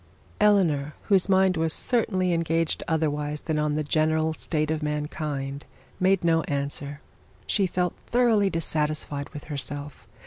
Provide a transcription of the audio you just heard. Eleanor, whose mind was certainly engaged otherwise than on the general state of mankind, made no answer to this. She felt thoroughly dissatisfied with herself.